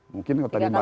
mungkin kalau tadi mbak